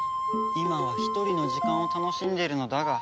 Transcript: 今は一人の時間を楽しんでいるのだが。